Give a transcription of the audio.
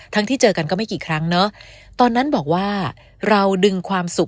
ทั้งที่เจอกันก็ไม่กี่ครั้ง